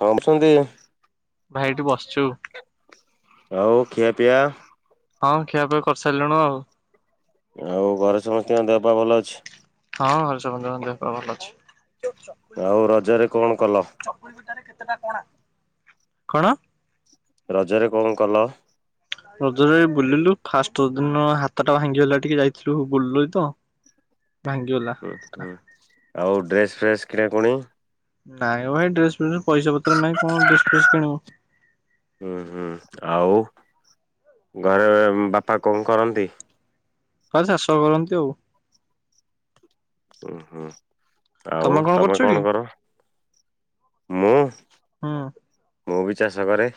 ହମସନ୍ତି। ଭାଇ ଏଠି ବସିଛୁ। ଆଉ ଖିଆ ପିଆ? ହଁ ଖିଆପିଆ କରିସାଇଲୁଣି ଆଉ। ତମ ଦେହ ପା ଭଲ ଅଛି? ହଁ ଘରେ ସମତ ଙ୍କ ଦେହ ପା ଭଲ ଅଛି। ଜଉ ଚକୁଲି ଆଉ ପିଠା ରଜରେ କେମିତି କଣ ତିଆରି କଲ ହୁଏ। ଚକୁଳିି ପିଠା ରେ କେତେଟା କଣା? କଣ? ରଜରେ କଣ କଲ? ରଜରେ ବୁଲିଲୁ। ଫାଷ୍ଟ ଦିନ ହାତ ଟା ଭାଙ୍ଗିଗଲା ଟିକେ ଯାଇଥିଲୁ ବୁଲିଲୁ ତ। ଭାଙ୍ଗିଗଲା ଉଁ ହୁଁ ଆଉ ଡ୍ରେସ ଫ୍ରେସ କିଣା କୁଣି? ନାଇଁ ଭାଇ ଡ୍ରେସ ପଇସା ପତ୍ର ନାହିଁ କଣ ଡ୍ରେସ୍ ଫ୍ରେସ୍ କିଣିବୁ। ହୁଁ ହୁଁ ଆଉ ଘରେ ବାପା କଣ କରନ୍ତି? ଖାଲି ଚାଷ କରନ୍ତି ଆଉ। ଓ ହୋ। ଆଉ ତମେ କଣ କର? ମୁଁ ହୁଁ ମୁଁ ବି ଚାଷ କରେ।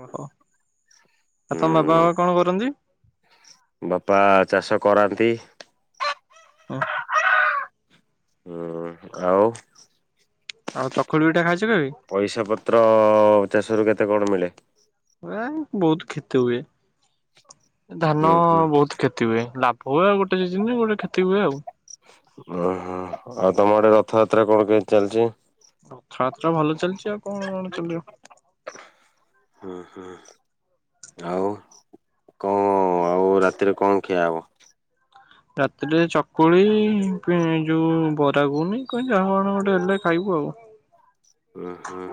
ଓହୋ ଆଉ ତମ ଉଁ ବାବା କଣ କରନ୍ତି? ବାପା ଚାଷ କରାନ୍ତି। ଉଁ ହୁଁ। ହୁଁ ଆଉ ଆଉ ଚକୁଳି ପିଠା ଖାଇଚ ପଇସା ପତ୍ର ଚାଷ ରୁ କେତେ କଣ ମିଳେ? ଏ ବହୁତ କ୍ଷତି ହୁଏ। ଧାନ ହୁଁ ହୁଁ ବହୁତ କ୍ଷତି ହୁଏ। ଲାଭ ହୁଏ ଆଉ ଗୋଟେ ସିଜିନ। ଗୋଟେ କ୍ଷତି ହୁଏ ଆଉ। ଓହୋ ଆଉ ତମଆଡେ ରଥଯାତ୍ରା କଣ କେମିତି ଚାଲିଚି? ରଥଯାତ୍ରା ଭଲ ଚାଲିଚି। ଆଉ କଣ କଣ ଚାଲିବ? ଉଁ ହୁଁ। ଆଉ କଣ ଆଉ ରାତିରେ କଣ ଖିଆ ହବ? ରାତିରେ ଚକୁଳି, ପିଁ ଯୋଉ ବରା ଗୁଗୁନି କହିନି ଯାହା ଆଣ ଗୋଟେ ହେଲେ ଖାଇବୁ ଆଉ। [inaudible] ଉଁ ହୁଁ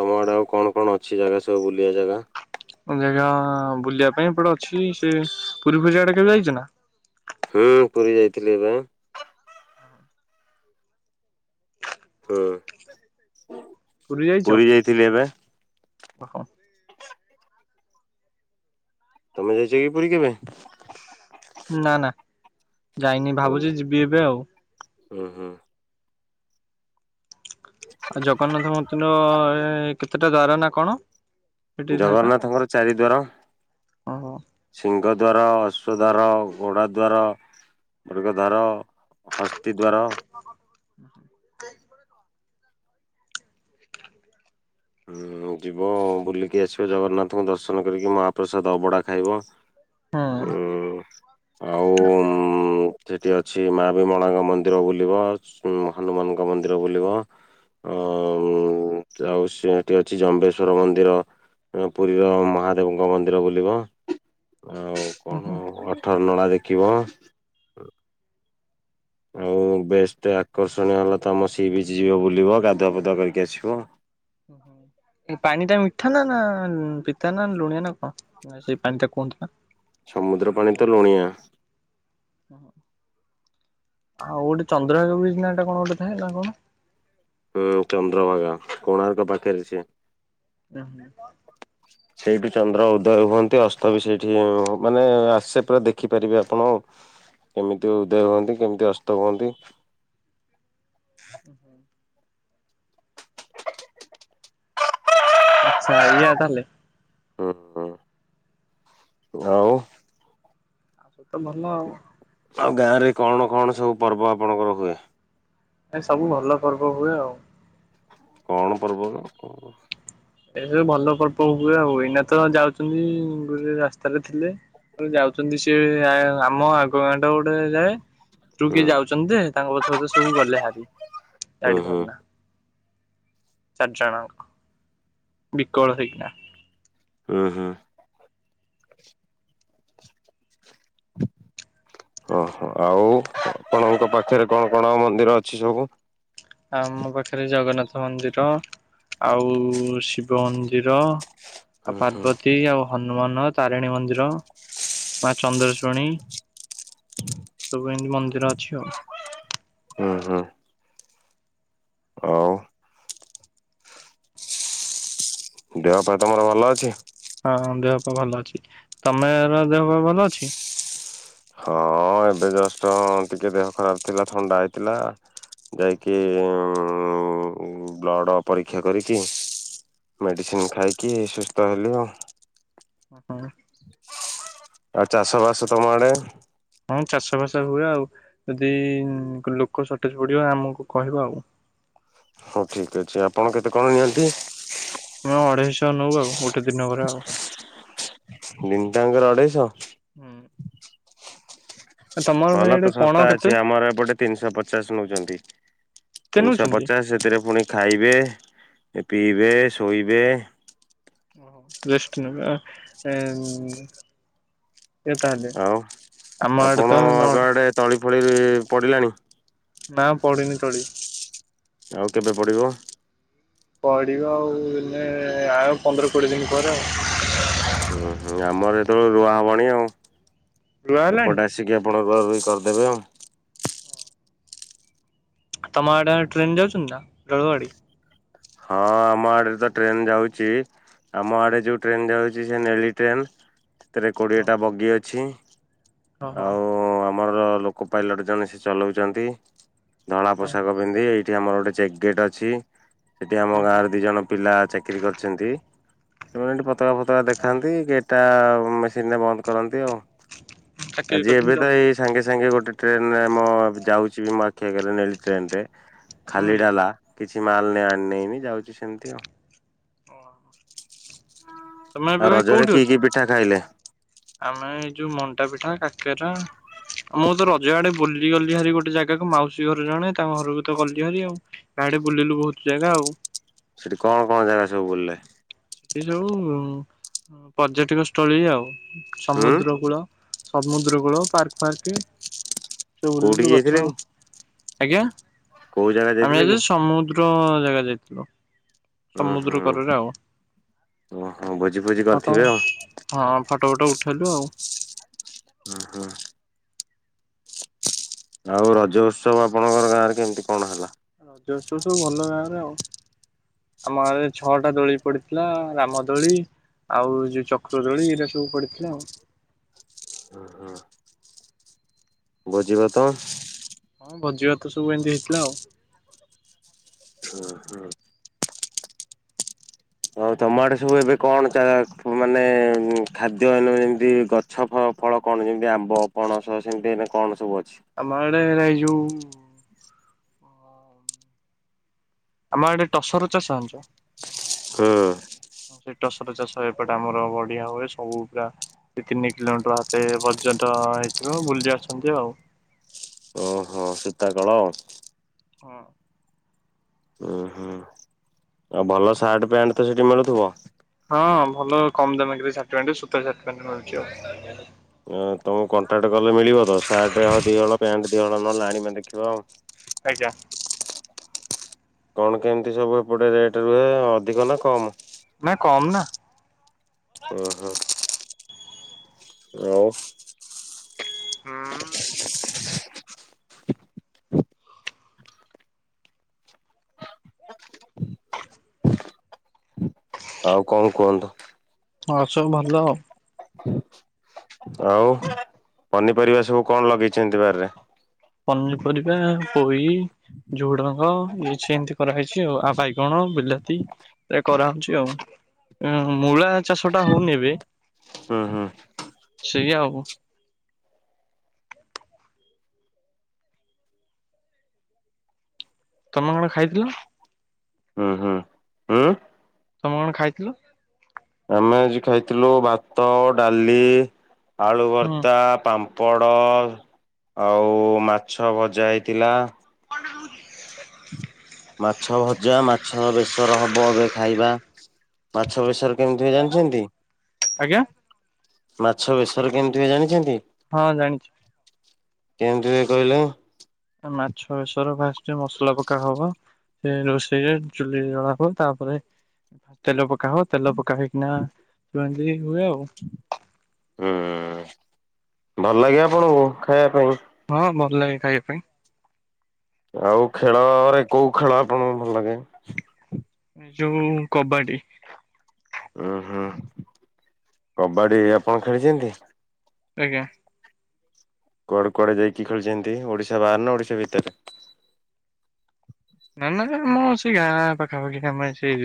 ତମ ଆଡେ ଆଉ କଣ କଣ ଅଛି ଜାଗା ସବୁ ବୁଲିବା ଜାଗା। ହଁ ବୁଲିବା ପାଇଁ ଏପଟ ଅଛି। ସେ ପୁରୀ ଫୁରୀ ଜାଗା ଆଡେ କେବେ ଯାଇଛ ନା। ହୁଁ ପୁରୀ ଯାଇଥିଲି ଏବେ? ହଁ ପୁରୀ ଯାଇଥିଲି ଏବେ। ଓହୋ। ତମେ ଯାଇଛ କି ପୁରୀ କେବେ? ନା ନା ଯାଇନି ଭାବୁଚି ଯିବି ଏବେ ଆଉ। ଉଁ ହୁଁ। ଆଉ ଜଗନ୍ନାଥ ମନ୍ଦିର କେତେଟା ଦ୍ଵାର ନା କଣ? ସେଠି ଥାଏ ପା? ଜଗନ୍ନାଥଙ୍କର ଚାରିଦୁଆର। ଓହୋ ସିଂଘ ଦ୍ୱାର ଅଶ୍ଵ ଦ୍ୱାର ଘୋଡ଼ା ଦ୍ୱାର ମୃଗଦ୍ୱାର ହସ୍ତିଦ୍ୱାର ଉଁ ମ୍ ଯିବ ବୁଲିକି ଆସିବ ଜଗନ୍ନାଥଙ୍କୁ ଦର୍ଶନ କରିକି ମହାପ୍ରସାଦ ଅବଡ଼ା ଖାଇବ। ହୁଁ। ଉଁ ଆଉ ଉଁ ମ୍ ମ୍ ସେଠି ଅଛି ମା ବିମଳାଙ୍କ ମନ୍ଦିର ବୁଲିବ ଉଁ ହନୁମାନଙ୍କ ମନ୍ଦିର ବୁଲିବା। ହୁଁ ମ୍ ଆଉ ସେ ସେଠି ଅଛି ଜମ୍ବେଶ୍ଵର ମନ୍ଦିର ପୁରୀର ମହାଦେବଙ୍କ ମନ୍ଦିର ବୁଲିବ। ଆଉ କଣ ଅଠର ନଳା ଦେଖିବ। ଆଉ ବେଷ୍ଟ ଆକର୍ଷଣୀୟ ହେଲା ତମ ସିବିଚ୍ ଯିବ ବୁଲିବ ଗାଧୁଆ ପାଧୁଆ କରିକି ଆସିବ। ପାଣି ଟା ମିଠା ନା ପିତା ନା ଲୁଣିଆ ନା କଣ ସେଇ ପାଣି ଟା କୁହନ୍ତୁ ନା? ସମୁଦ୍ର ପାଣି ତ ଲୁଣିଆ। [inaudible] ଆଉ ଗୋଟେ ଚନ୍ଦ୍ରଭାଗ ବିଚ ନା ହେଟା କଣ ଗୋଟେ ଥାଏ ନା କଣ? ହୁଁ ଚନ୍ଦ୍ରଭାଗା କୋଣାର୍କ ପାଖରେ ସେ। ନା ନା। ସେଇଠି ଚନ୍ଦ୍ର ଉଦୟ ହୁଅନ୍ତି ଅସ୍ତ ବି ସେଇଠି ମାନେ ଆସେ ପୁରା ଦେଖିପାରିବେ ଆପଣ ଆଉ କେମିତି ଉଦୟ ହୁଅନ୍ତି କେମିତି ଅସ୍ତ ହୁଅନ୍ତି। ଓ ହୁଁ ଆଚ୍ଛା ଇଏଆ ତାହାଲେ। ହୁଁ ହୁଁ [inaudible] ଆଉ। ଇଏ ତ ଭଲ ଆଉ। ଆଉ ଗାଁରେ କଣ କଣ ସବୁ ପର୍ବ ଆପଣଙ୍କର ହୁଏ? ଏ ସବୁ ଭଲ ପର୍ବ ହୁଏ ଆଉ। କଣ ପର୍ବ ମ କଣ? ଏସବୁ ଭଲ ପର୍ବ ହୁଏ ଆଉ ଏଇନା ତ ଯାଉଛନ୍ତି ଗୋଟ ରାସ୍ତାରେ ଥିଲେ ଯାଉଛନ୍ତି ସିଏ ଆମ ଆଗ ଗାଁ ଟା ଗୋଟେ ଯାଏ। ତୁ କି ହୁଁ ଯାଉଛନ୍ତି ଯେ ତାଙ୍କ ପଛେ ପଛରେ ସବୁ ଗଲେହାରି। ଏଇଟି ହୁଁ ଧରେନା [inaudible] ଚାରି ଜଣଆକ ବିକଳ ହେଇକିନା ଉଁ ହୁଁ। ଓହୋ ଆଉ ଆପଣଙ୍କ ପାଖରେ କଣ କଣ ମନ୍ଦିର ଅଛି ସବୁ? ଆମ ପାଖରେ ଜଗନ୍ନାଥ ମନ୍ଦିର ଆଉ ଶିବ ମନ୍ଦିର ଆ ହୁଁ ହୁଁ ପାର୍ବତୀ ଆଉ ହନୁମାନ ତାରିଣୀ ମନ୍ଦିର ମା ଚନ୍ଦ୍ରା ଶୁଣି [inaudible] ସବୁ ଏମିତି ମନ୍ଦିର ଅଛି ଆଉ। ହୁଁ ହୁଁ। ଆଉ ଦେହ ପା ତମର ଭଲ ଅଛି? ହଁ ଦେହ ପା ଭଲ ଅଛି। ତମେର ଦେହ ପା ଭଲ ଅଛି? ହଁ ଏବେ ଜଷ୍ଟ ଟିକେ ଦେହ ଖରାପ ଥିଲା ଥଣ୍ଡା ହେଇଥିଲା। ଯାଇକି ଉଁ ମ୍ ମ୍ ମ୍ ମୁଁ ବ୍ଲଡ଼ ପରୀକ୍ଷା କରିକି ମେଡିସିନ ଖାଇକି ସୁସ୍ଥ ହେଲି ଆଉ। ହଁ। [inaudible] ଆଉ ଚାଷବାସ ତମ ଆଡେ? ହଁ ଚାଷବାସ ହୁଏ ଆଉ ଯଦି ଲୋକ ସଟେଜ ପଡିବ ଆମକୁ କହିବ ଆଉ। ହ [unintelligible] ହୋଉ ଠିକ ଅଛି ଆପଣ କେତେ କଣ ନିଅନ୍ତି? ଆମେ ଅଢେଇଶହ ନୋଉ ଆଉ ଗୋଟେ ଦିନ କରେ ଆଉ। ଦିନ୍ତାଙ୍କର ଅଢେଇଶହ ହୁଁ ତମର ଭାଇ ଭଲ ତ ଆଡେ ପଣ ଶସ୍ତା କେତେ ଅଛି ଆମର ଏପଟେ ତିନିଶହ ପଚାଶ ନଉଛନ୍ତି। କେତେ ତିନିଶହ ନଉଛନ୍ତି? ପଚାଶ ସେଥିରେ, ପୁଣି ଖାଇବେ ପିଇବେ ଶୋଇବେ [unintelligible] ଆଉ ଆମ ଆଡେ ତ ଆପଣ ଆଗଆଡ଼େ ତଳି ଫଳି ପଡ଼ିଲାଣି ନାଁ ପଡିିନି ତଳି। ଆଉ କେବେ ପଡିବ? ପଡ଼ିବ ଆଉ ହେଲେ ଆଉ ପନ୍ଦର କୋଡ଼ିଏ ଦିନ ପରେ ଆଉ। ହୁଁ ହୁଁ ଆମର ଯେତେବେଳେ ରୁଆ ହବଣିି ଆଉ, ରୁଆ ହେଲାଣି? ଏପଟେ ଆସିକି ଆପଣଙ୍ ରୁଆରୁଇ କରିଦେବେ ଆଉ। ତମ ଆଡେ ଟ୍ରେନ ଯାଉଛନ୍ତି, ନା ରେଳଗାଡି? ହଁ ଆମ ଆଡେ ତ ଟ୍ରେନ ଯାଉଛି। ଆମ ଆଡ଼େ ଯଉ ଟ୍ରେନ୍ ଯାଉଛି, ସେ ନେଳି ଟ୍ରେନ ସେଥିରେ କୋଡିଏଟା ବଗି ଅଛି ଓହୋ। ଆଉ ଆମର ଲୋକ ପାଇଲଟ ଜଣେ ସେ ଚଲାଉଛନ୍ତି, ଧଳା ଓହୋ। ପୋଷାକ ପନ୍ଧି ଏଇଠି ଆମର ଗୋଟେ ଚେକ୍ ଗେଟ୍ ଅଛି, ସେଠି ଆମ ଗାଁରେ ଦି ଜଣ ପିଲା ଚାକିରୀ କରିଛନ୍ତି ସେମାନେ ଏଠି ପତକା ଫତକା ଦେଖାନ୍ତି, ଗେଟ୍ ଟା ମେସିନରେ ବନ୍ଦ କରନ୍ତି ଆଉ। ଚାକିରି ଆଜି କରିଛନ୍ତି ଏବେ ତ ଜବ୍ ଏଇ ସାଙ୍ଗେ ସାଙ୍ଗେ ଗୋଟେ ଟ୍ରେନ ରେ ମୋ ଯାଉଛି ବି ମୋ ଆଖି ଆଗରେ ନେଲି ଟ୍ରେନଟେ ହଁ ଖାଲି କି? ଡାଲା କିଛି କିଛି ମାଲ ନିଆ ଆଣି ନେଇନି ଯାଉଛି ସେମିତି ଆଉ। ଓ। ତମେ ଆଉ ଏବେ ଭାଇ ରଜରେ କୋଉଠି କି କି ଅଛ ପିଠା ଖାଇଲେ ଆମେ ଯୋଉ ମଣ୍ଟା ପିଠା କାକେରା ମୁଁତ ରଜ ଆଡେ ବୁଲି ଗଲି ଭାରି ଗୋଟେ ଜାଗାକୁ ମାଉସୀ ଘରେ ଜଣେ ତାଙ୍କ ଘରକୁ ତ ଗଲି ଭାର ଆଉ ସିଆଡେ ବୁଲିଲୁ ବହୁତ ଜାଗା ଆଉ। ସେଠି କଣ କଣ ଜାଗା ସବୁ ବୁଲିଲେ? ସେଠି ସବୁ ପର୍ଯ୍ୟଟକ ସ୍ଥଳୀ ଆଉ ହୁଁ ସମୁଦ୍ର କୂଳ ସମୁଦ୍ର କୂଳ ପାର୍କ ଫାର୍କ ସେ ସବୁ କୋଉଠିକି ବୁଲିଲୁ ଯାଇଥିଲେ ଗଛ କି? ଆଜ୍ଞା କୋଉ ଜାଗା ଆମେ ଯାଇଥିଲେ କି ଜାଇଥିଲୁ ସମୁଦ୍ର ଜାଗା ଜାଇଥିଲୁ ଉଁ ହୁଁ ସମୁଦ୍ରକରରେ ଆଉ। ଓହୋ ଭୋଜି ଫୋଜି ଫଟୋ କରିଥିବେ ଆଉ? ହଁ ଫଟୋ ଫଟୋ ଉଠେଇଲୁ ଆଉ। ହଁ ହଁ। ଆଉ ରଜ ଉତ୍ସବ ଆପଣଙ୍କର ଗାଁ ରେ କେମିତି କଣ ହେଲା? ରଜସ ସବୁ ଭଲ ଗାଁରେ ଆଉ ଆମ ଗାଁରେ ଛଅଟା ଦୋଳି ପଡିଥିଲା, ରାମ ଦୋଳି ଆଉ ଯୋଉ ଚକ୍ର ଦୋଳି, ଏଇଟା ସବୁ ପଡିଥିଲା ଆଉ। ହଁ ହଁ। ଭୋଜିଭାତ ହଁ ଭୋଜି ଭାତ ସବୁ ଏମିତି ହେଇଥିଲା ଆଉ। ହ ହଁ। ହଉ ତମଟ ସବୁ ଏବେ କଣ ମାନେ ଖାଦ୍ୟ ଯେମତି ଗଛ ଫଳ କଣ ଯେମିତି ଆମ୍ବ ପଣସ ସେମିତି କଣ ସବୁ ଅଛି? ଆମଡ଼େ ଏଇ ଯୁ ଆମ ଏଡେ ଟସର ଚାଷ ଜାଣିଛ? ହଁ। ସେ ଟସର ଚାଷ ଏପଟେ ଆମର ବଢିଆ ହୁଏ, ସବୁ ପା ଦ ତିନି କିଲୋମିଟର ହାତ ପର୍ଯ୍ୟନ୍ତ ଥିବ ବୁଲି ଆସଛନ୍ତି ଆଉ ଓହୋ ସୀତା କଳ। ହଁ। ହୁଁ ହୁଁ ଆଉ ଭଲ ସାର୍ଟ ପ୍ୟାଣ୍ଟ ତ ସେଠି ମିଳୁଥିବ? ହଁ ଭଲ କମ ଦାମ ସାର୍ଟପେଣ୍ଟ ସୁତା [inaudible] ଅଛି ଆଉ। ତମକୁ କଣ୍ଟାକ୍ଟ କଲେ ମିଳିବ ତ ସାର୍ଟ ଦିହଳ ପ୍ୟାଣ୍ଟ ଦିହଳ ନହେଲେ ଆଣିବା ଦେଖିବା ଆଉ। ଆଜ୍ଞା। କଣ କେମିତି ସବୁ ଏପଟେ ରେଟ ରୁହେ ଅଧିକ ନାଁ କମ? ନା କମ ନା ଓ ହୋ। ଆଉ ହୁଁ [unintelligible] ଆଉ କଣ କୁହନ୍ତୁ। ଆଉ ସବୁ ଭଲ। ଆଉ ପନିପରିବା ସବୁ କଣ ଲଗେଇଛନ୍ତି ବାରିରେ? ପନିପରିବା ପୋଇ ଝୁଡଙ୍ଗ ଇଛ ଏମିତି କରାହେଇଛି। ଛି ଆଉ ବାଇଗଣ ବିଲାତି କରାହଉଛି ଆଉ। ମୂଳା ଚାଷ ଟା ହଉନି ଏବେ? ହୁଁ ହୁଁ। ସେଇ ଆଉ ତମେ କଣ ଖାଇଥିଲ? ହୁଁ ହୁଁ। ହୁଁ ତମେ କଣ ଖାଇଥିଲ? ଆମେ ଆଜି ଖାଇଥିଲୁ ଭାତ ଡାଲି ଆଳୁ ହୁଁ ଭର୍ତ୍ତା ପାମ୍ ପୋଡ଼ ଆଉ ମାଛ ଭଜା ହେଇଥିଲା। [unintelligible] ମାଛ ଭଜା ମାଛ ବେସର ହବ ଏବେ ଖାଇବା ମାଛ ବେସରେ କେମିତି ହ ଜାଣିଛନ୍ତି ଆଜ୍ଞା ମାଛ ବେସରେ କେମିତି ହୁଏ ଜାଣିଛନ୍ତି। ହଁ ଜାଣିଛି। କେମିତି ହୁଏ କହିଲେ? ସେ ମସଲା ପକା ହବ ସେ ରୋଷେଇରେ ଚୁଲିରେ ଜଳା ହବ ତାପରେ ତେଲ ପକାହବ ତେଲ ପକାହେଇକିନା ଧୁଅନ୍ତି। ହୁଏ ଆଉ। ହୁଁ। ଭଲ ଲାଗେ ଆପଣଙ୍କୁ ଖାଇବା ପାଇଁ? ହଁ ଭଲ ଲାଗେ ଖାଇବା ପାଇଁ। ଆଉ ଖେଳରେ କୋଉ ଖେଳ ଆପଣଙ୍କୁ ଭଲ ଲାଗେ? ଏ ଯୋଉଁ କବାଡି। ଉଁ ହୁଁ କବାଡି ଆପଣ ଖେଳିଛନ୍ତି। ଆଜ୍ଞା। କୁଆଡେ କୁଆଡେ ଯାଇକି ଖେଳିଛନ୍ତି ଓଡିଶା ବାହାରାରେ ନା ଓଡିଶା ଭିତରେ? ନାଁ ନାଁ ଆଁ ସେ ଗାଁ ପାଖାପାଖି ଆମେ ସେ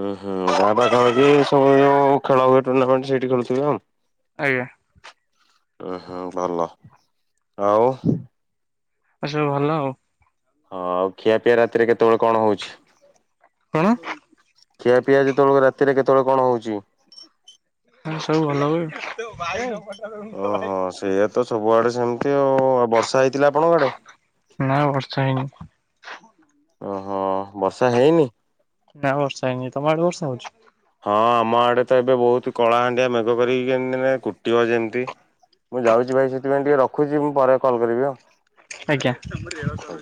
ଓ ହୁଁ ତା ପାଖ ସବୁ ଯୋଉ ଖେଳ ହୁଏ ଟୁର୍ଣ୍ଣାମେଣ୍ଟ ସେଇଠି ଖେଳଥିବେ ଆଉ। ଆଜ୍ଞା। ଓ ହ ଭଲ ଆଉ ଆଉ ସବୁ ଭଲ ଆଉ। ହଁ ଆଉ ଖିଆପିଆ ରାତିରେ କେତେବେଳେ କଣ ହଉଛି? କଣ। ଖିଆ ପିଆ ଯେତେବେଳକୁ ରାତିରେ କେତେବେଳେ କଣ ହଉଛି? ହଁ ସବୁ ଭଲ ହୁଏ [inaudible] ଓହୋ ସେୟାତ ସବୁଆଡେ ସେମତି ଆଉ ବର୍ଷା ହେଇ ନାଁ ବର୍ଷା ହେଇନି। ଓହୋ ବର୍ଷା ହେଇନି। ନା ବର୍ଷାହେଇନି ତମଆଡେ ବର୍ଷା ହୋଉଛି? ହଁ ଆମ ଆଡେ ତ ଏବେ ବହୁତ କଳାହାଣ୍ଡିଆ ମେଗ କରିକି କେମତି କୁଟିବ ଯେମିତି। ମୁଁ ଯାଉଛି ଭାଇ ସେଥିପାଇଁ ଟିକେ ରଖୁଛି ମୁଁ ପରେ କଲ୍ କରିବି ଆଉ। ଆଜ୍ଞା। ଆଜ୍ଞା।